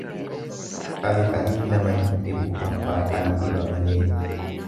Qali qaliin nama hin dhibu abbaa qalu dhiba malee.